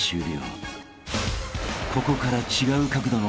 ［ここから］